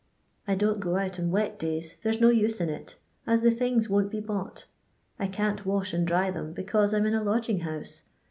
I don't go out on wet da\ f, there 's no use in it, as the things won't be bouglit I can't wash and dry them, because I 'm in a lodging house.